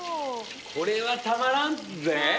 これはたまらんぜ！